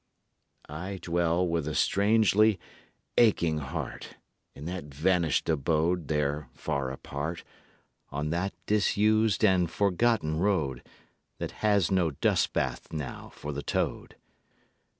I dwell with a strangely aching heart In that vanished abode there far apart On that disused and forgotten road That has no dust bath now for the toad.